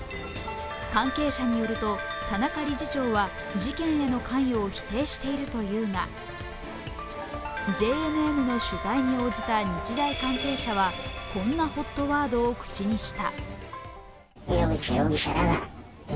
関係者によると、田中理事長は事件への関与を否定しているというがＪＮＮの取材に応じた日大関係者はこんなＨＯＴワードを口にした。